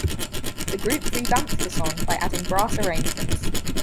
The group revamped the song by adding brass arrangements.